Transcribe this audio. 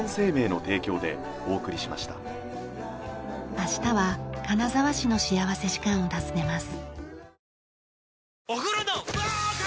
明日は金沢市の幸福時間を訪ねます。